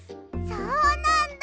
そうなんだ。